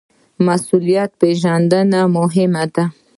مسوولیت پیژندل مهم دي